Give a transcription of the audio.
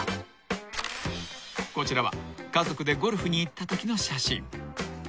［こちらは家族でゴルフに行ったときの写真］